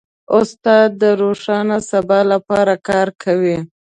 استاد د روښانه سبا لپاره کار کوي.